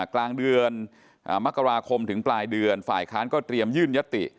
กลางเดือนมกราคมถึงปลายเดือนฝ่ายค้านก็เตรียมยื่นยติ